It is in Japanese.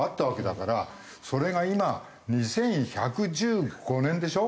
それが今２１１５年でしょ？